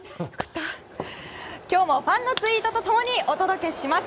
今日もファンのツイートと共にお伝えします。